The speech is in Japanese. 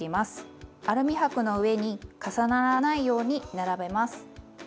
アルミ箔の上に重ならないように並べます。